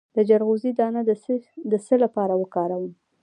د چلغوزي دانه د څه لپاره وکاروم؟